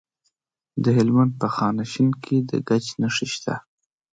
د هلمند په خانشین کې د ګچ نښې شته.